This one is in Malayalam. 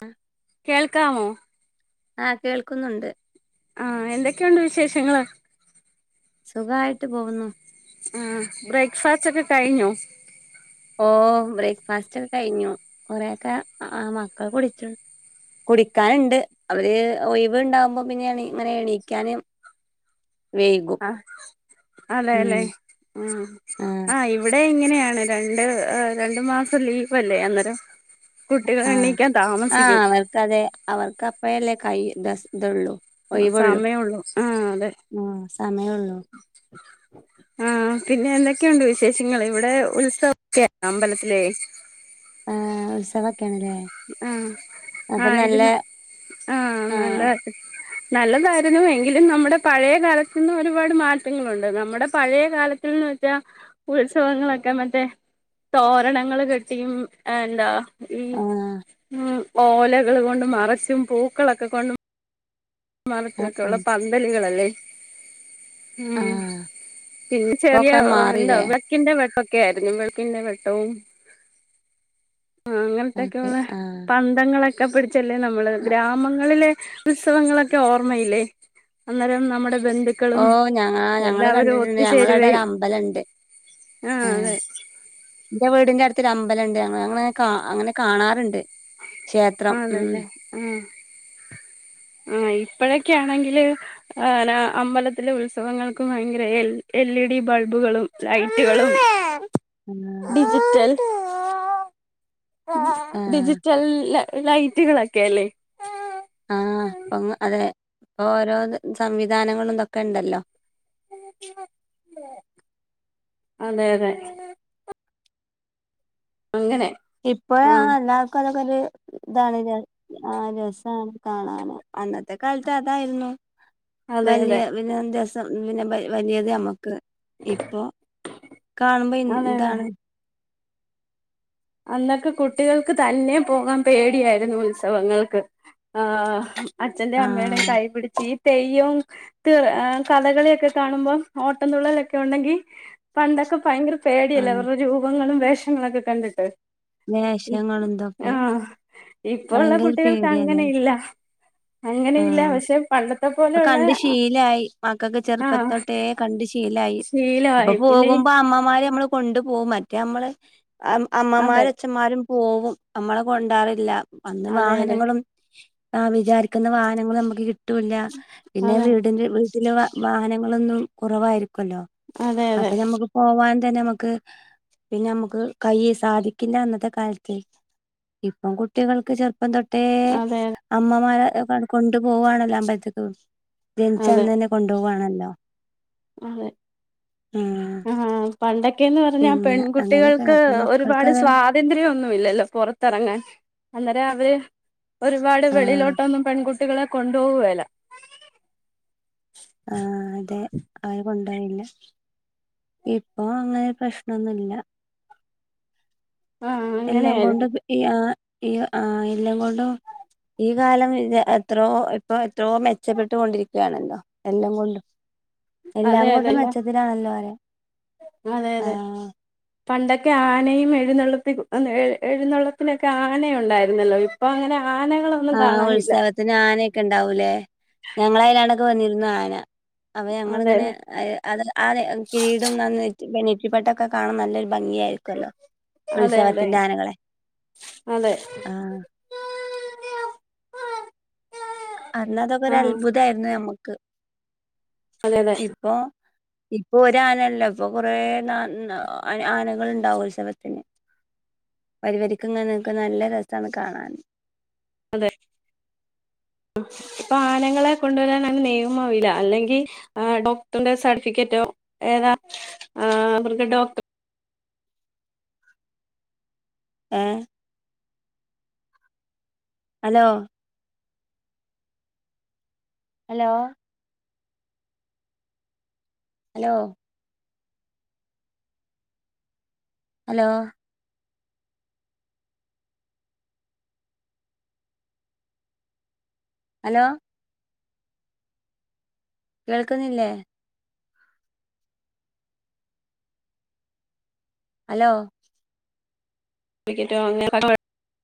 അ കേൾക്കാമോ ആ കേൾക്കുന്നുണ്ട് ആ എന്തൊക്കെയുണ്ട് വിശേഷങ്ങള് സുഖായിട്ട് പോകുന്നു ആ ബ്രേക്ക്ഫാസ്റ്റ് ഒക്കെ കഴിഞ്ഞോ? ഓ ബ്രേക്ക്ഫാസ്റ്റ് ഒക്കെ കഴിഞ്ഞു കൊറേയെക്ക ആ മക്കൾ കുടിച്ചു കുടുക്കാനുണ്ട് അവര് ഒഴിവ് ഉണ്ടാവുമ്പോ പിന്നെ എ ഇങ്ങനെ എണീക്കാന് വൈകും ആഹ് ഉം അതേല്ലെ ഉം ആഹ് ആ ഇവിടെ ഇങ്ങനെയ യാണ് രണ്ടു രണ്ടു മാസം ലീവല്ലെ അന്നേരം കുട്ടികൾ ആ എണീക്കാൻ ആ താമസിക്കും അവർക്ക് അതെ അവർക്ക് അപ്പഴല്ലേ കൈ ദസ് ഇതൊള്ളു സമയൊള്ളൂ ആ അതെ ആഹ് സമയള്ളൂ ആ പിന്നെ എന്തൊക്കെയുണ്ട് വിശേഷങ്ങള് ഇവിടെ ഉത്സവം ഒക്കെയ അമ്പലത്തിലെയ് ആ ഉത്സവൊക്കേണല്ലേ ആഹ് അപ്പൊ നല്ല ആയിരുന്നു ആഹ് നല്ലതായിരുന്നു എങ്കിലും നമ്മുടെ പഴയ കാലത്ത്ന്ന് ഒരുപാട് മാറ്റങ്ങളുണ്ട് നമ്മുടെ പഴയ കാലത്തിൽന്ന് വെച്ചാ ഉത്സവങ്ങളൊക്കെ മറ്റേ തോരണങ്ങള് കെട്ടിയും ഏ ന്താ ഉം ആഹ് ഉം ഓലകൾ കൊണ്ട് മറച്ചും പൂക്കളൊക്കെ കൊണ്ടും ആഹ് മറച്ചൊക്കെ ഒള്ള ആഹ് പന്തലുകളല്ലേ ഉം ആഹ് പിന്നെ ചെറിയ ഇപ്പൊക്കെ ഒ എന്ത മാറില്ലേ വെള്ക്കിന്റെ വെട്ട [unintelligible] വെളക്കിന്റെ വെട്ടവും ആ ഓക്കെ അങ്ങനത്തൊക്കെയൊള്ള ആഹ് പന്തങ്ങള് ക്കെ പിടി ച്ചല്ലേ നമ്മള് ഗ്രാമങ്ങളിലെ ത്സവങ്ങളൊക്കെ ക്കെ ഓർമ്മയില്ലേ അന്നേരം നമ്മടെ ഓഹ് ഞങ്ങ ഞങ്ങള് കണ്ടിട്ടുണ്ട് ഞങ്ങളടെ ഒത്തുചേരുകയും ഒരമ്പലണ്ട് ആ ആഹ് അതെ ന്റെ വീടിന്റടുത് ത്തിരി അമ്പലുണ്ട് ഞങ്ങള് ഞങ്ങളങ്ങനെ കാ അങ്ങനെ കാണാറുണ്ട് ക്ഷേത്രം. ഉം. ആണല്ലേ ആ ആ ഇപ്പോഴ ക്കെയാണെങ്കില് ആ ലാ അമ്പലത്തിലെ ഉത്സവങ്ങൾക്ക് ഭയങ്കര എൽ ഇ ഡി ബൾബുകളും ലൈറ്റുകളും [inaudible] ആഹ്. ഡിജിറ്റൽല ലൈറ്റുകളൊക്കെയല്ലേ? ആഹ് പ്പൊങ്ങ് അതെ ഇപ്പൊ ഓരോ സംവിധാനങ്ങളും ഇതൊക്കെണ്ടല്ലോ അതെ അതെ അങ്ങനെ ആ ഇപ്പഴാണ് [unintelligible] പ്പല് ഇതാണ് ര ആ രസാണ് കാണാന് അന്നത്തെ കാലത്ത് അതായിരുന്നു. അതെ അതെ വലിയ [unintelligible] പിന്നെ ബ വലിയത് മ്മക്ക് ഇപ്പൊ കാണുമ്പോ അതെ അതെ ഇതാണ്. അന്നൊക്കെ കുട്ടികൾക്ക് തന്നേ പോകാൻ പേടിയായിരുന്നു ഉത്സവങ്ങൾക്ക് ആഹ് അച്ഛന്റേം അമ്മയുടേം ആഹ് കൈ പിടിച്ച് തെയ്യോം ത് ആഹ് കഥകളിയൊക്കെ കാണുമ്പോം ഓട്ടം തുള്ളലൊക്കെ ഒണ്ടെങ്കിൽ പണ്ടൊക്കെ ഭയങ്കര പേടിയല്ലേ ആഹ്. അവരുടെ രൂപങ്ങളും വേ ഷങ്ങളൊക്കെ കണ്ടിട്ട് വേഷങ്ങളും ഇതൊക്കെ ആഹ് ഇപ്പോള്ള ഭയങ്കര കുട്ടികൾക്ക് പേടിയാല്ലേ. അങ്ങനെയില്ല. അങ്ങനെയില്ല ആഹ് പക്ഷേ പണ്ടത്തെ ഇപ്പൊ പോലെയുള്ള കണ്ട് ശീലായി ആഹ് ലായി ഇപ്പ ശീലമായി പിന്നെ പോകുമ്പോ അമ്മമാര് നമ്മടെ കൊണ്ടു പോകും മറ്റേ നമ്മള് അ അതെ അമ്മമാരും അച്ഛന്മാരും പോവും നമ്മളെ കൊണ്ടാ ല്ലാ അന്ന് അതെ അതെ വാഹനങ്ങളും ആ വിചാ ക്കുന്ന വാഹനങ്ങൾ നമുക്ക് കി ട്ടൂല്ല പിന്നെ അതെ വീടിന്റെ [unintelligible] വാഹനങ്ങളൊന്നും കുറവായിരിക്കും. [unintelligible] അതെ അതെ അപ്പൊ നമുക്ക് പോവാൻ തെ നമ്മക്ക് പിന്നെ നമുക്ക് കൈയ്യി സാധിക്കിന്ന അന്നത്തെ കാലത്ത് ഇപ്പം കുട്ടികൾക്ക് ചെറുപ്പം തൊ ട്ടേ അതെ അതെ അമ്മമാര് കൊണ്ടു പോവാണല്ലോ അമ്പലത്തേക്ക് ജനിച്ച അതെ അന്ന് തന്നെ കൊണ്ടു പോകുവാണെന്ന് [unintelligible] അതെ ആ പണ്ടൊക്കേന്ന് പറഞ്ഞാ പിന്നെ അങ്ങനെയൊക്കെയാണ് പെൺകുട്ടികൾക്ക് അപ്പൊ ഒരുപാട് മക്കൾക്കത് സ്വാതന്ത്ര്യം ഒന്നും ഇല്ലല്ലോ പുറത്തിറങ്ങാൻ അന്നേരം അവര് ഒരുപാട് ആഹ് വെളിലോട്ടൊന്നും പെൺകു കുട്ടികളെ കൊണ്ടുപോവുവേല ആ അതെ [unintelligible] റിയില്ല ഇപ്പൊ അങ്ങനെ പ്രശ്നൊന്നു ഇല്ല ആഹ് എല്ലാം അങ്ങനെയായിരുന്നു കൊണ്ടും [unintelligible] ഈ, ആ എല്ലാം കൊണ്ടും ഈ കാലം എത്രോ ഇപ്പൊ എത്രയോ മെച്ചപ്പെട്ടു കൊണ്ടിരിക്കുകയാണല്ലോ, എല്ലാം കൊണ്ടും എല്ലാം അതെ കൊണ്ടും അതെല്ല മെച്ചത്തിലാണല്ലോ അതെ അതെ ആഹ് പണ്ടൊക്കെ ആനയും എഴുന്നള്ളത്തി, എഴുന്നള്ളത്തിനൊക്കെ ആന ഒണ്ടായിരുന്നല്ലോ. ഇപ്പൊ അങ്ങനെ ആനകളൊന്നും ആ, കാണാനില്ല ഉത്സവത്തിന് ആനെക്കെ എണ്ടാവൂലേ, ഞങ്ങളെനാണ് ടെ വന്നിരുന്നു ആന അപ്പം ഞങ്ങൾ അതെ ഇങ്ങനെ, അത് ആ കിരീടം [unintelligible] നെറ്റിപട്ടൊക്കെ കാണാൻ നല്ല ഭംഗിയായിരിക്കുവല്ലോ അതെ അതെ ഉത്സവത്തിന്റെ ആനകളെ, അതെ ആ അന്ന് അതൊക്കെ ഒരു ആഹ് അത്ഭുതായിരുന്നു നമ്മക് [unintelligible] അതെ അതെ ഇപ്പൊ ഇപ്പൊ ഒരു ആനല്ലല്ലോ ഇപ്പൊ കുറെേ ന ആനകൾ ഇണ്ടാവും ഉത്സവത്തിന് വരി വരീക്കിങ്ങനെ നിക്കണത് നല്ല രസാണ് കാണാൻ അതെ ഇപ്പൊ ആനകളെ കൊണ്ടുവരാൻ അങ്ങനെ നിയമവില്ല അല്ലെങ്കിൽ ഡോക്ടറിന്റെ സർട്ടിഫിക്കറ്റോ ഏതാ അവരുടെ ഡോക്ടറിന്റെ ആ hello hello hello hello hello കേൾക്കുന്നില്ലേ ഹലോ [unintelligible]